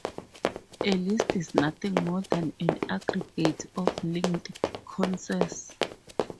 A list is nothing more than an aggregate of linked conses.